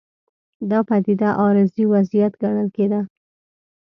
دا پدیده عارضي وضعیت ګڼل کېده.